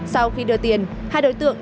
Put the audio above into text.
sau khi đưa tiền hai đối tượng